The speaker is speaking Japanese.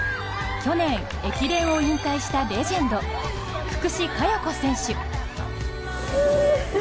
去年、駅伝を引退したレジェンド・福士加代子選手。